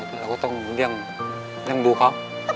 เราก็ต้องเรื่องดูเขา